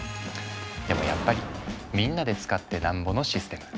でもやっぱりみんなで使ってなんぼのシステム。